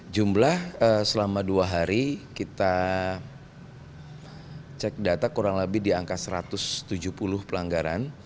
jumlah selama dua hari kita cek data kurang lebih di angka satu ratus tujuh puluh pelanggaran